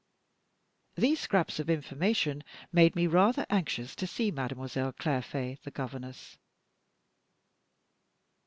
These scraps of information made me rather anxious to see Mademoiselle Clairfait, the governess.